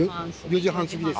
４時半過ぎです。